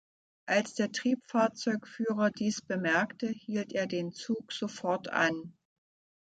Als der Triebfahrzeugführer dies bemerkte, hielt er den Zug sofort an.